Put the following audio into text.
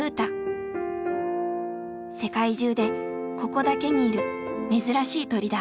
世界中でここだけにいる珍しい鳥だ。